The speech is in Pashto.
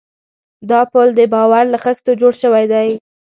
دا پُل د باور له خښتو جوړ شوی دی.